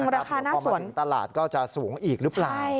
ราคาหน้าสวนตลาดก็จะสูงอีกหรือเปล่า